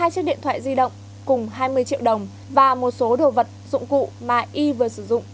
hai chiếc điện thoại di động cùng hai mươi triệu đồng và một số đồ vật dụng cụ mà y vừa sử dụng